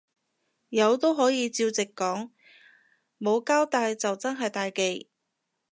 有都可以照直講，冇交帶就真係大忌